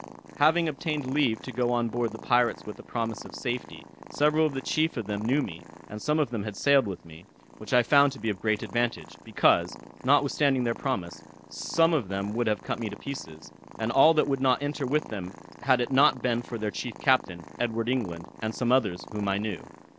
Having obtained leave to go on board the pirates with a promise of safety, several of the chief of them knew me, and some of them had sailed with me, which I found to be of great advantage; because, notwithstanding their promise, some of them would have cut me to pieces, and all that would not enter with them, had it not been for their chief captain, Edward England, and some others whom I knew.